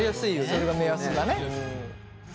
それが目安だね。